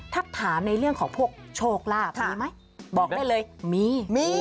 ถ้าถามในเรื่องของพวกโชคลาภมีไหมบอกได้เลยมีมี